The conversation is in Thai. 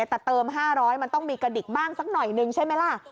แต่เติม๕๐๐มันต้องมีกระดิกบ้างสักหน่อยนึงใช่ไหมล่ะ